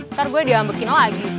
ntar gue diambekin lagi